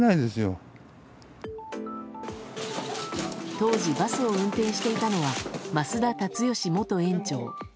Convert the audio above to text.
当時、バスを運転していたのは増田立義元園長。